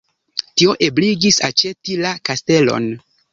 Tio ebligis aĉeti la kastelon.